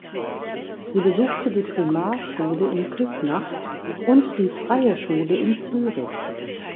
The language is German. Sie besuchte die Primarschule in Küsnacht und die "Freie Schule" in Zürich.